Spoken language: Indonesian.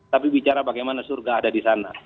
tapi bicara bagaimana surga ada di sana